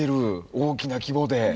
大きな規模で。